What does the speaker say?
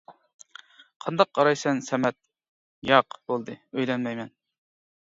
قانداق قارايسەن سەمەت : ياق بولدى ئۆيلەنمەيمەن.